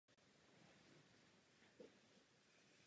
Vstup do kostela je ze západní strany.